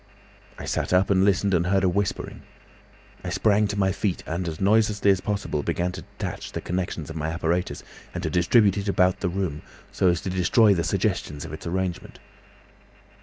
I sat up and listened and heard a whispering. I sprang to my feet and as noiselessly as possible began to detach the connections of my apparatus, and to distribute it about the room, so as to destroy the suggestions of its arrangement.